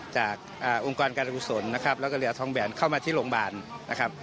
จากองค์กรการกุศลนะครับแล้วก็เหลือทองแบนเข้ามาที่โรงพยาบาลนะครับ